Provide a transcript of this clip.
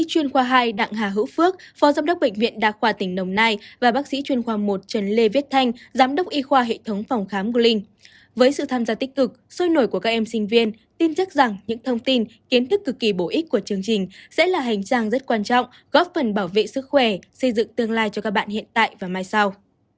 các phần bảo vệ sức khỏe xây dựng tương lai cho các bạn hiện tại và mai sau